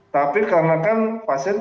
tapi karena kan pasien